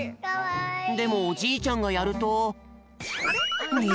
でもおじいちゃんがやると。